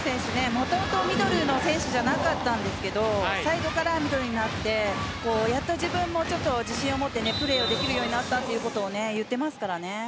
もともとミドルの選手じゃなかったんですがミドルになって自分も自信を持ってプレーできるようになったということを言っていますからね。